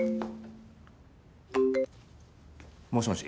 もしもし？